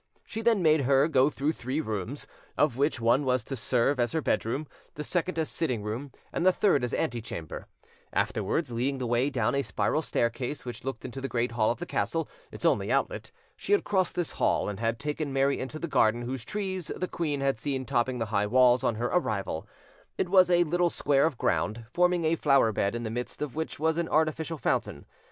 She then made her go through three rooms, of which one was to serve as her bedroom, the second as sitting room, and the third as ante chamber; afterwards, leading the way down a spiral staircase, which looked into the great hall of the castle, its only outlet, she had crossed this hall, and had taken Mary into the garden whose trees the queen had seen topping the high walls on her arrival: it was a little square of ground, forming a flower bed in the midst of which was an artificial fountain.